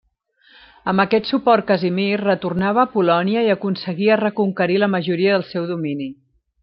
Amb aquest suport Casimir retornava a Polònia i aconseguia reconquerir la majoria del seu domini.